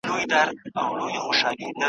باریکي لري تمام دېوان زما `